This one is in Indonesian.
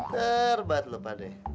terbat lo pak de